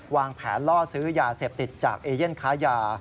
วางแผนล่อซื้อยาเสพติดจากเอเย่นค้ายา